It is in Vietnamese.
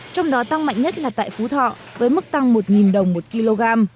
trong đó tăng mạnh nhất là tại phú thọ với mức tăng một đồng một kg